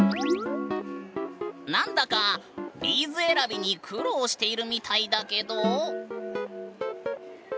何だかビーズ選びに苦労しているみたいだけど。